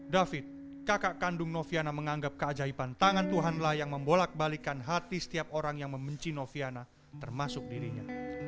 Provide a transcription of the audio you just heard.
david kakak kandung noviana menganggap keajaiban tangan tuhanlah yang membolak balikan hati setiap orang yang membenci noviana termasuk dirinya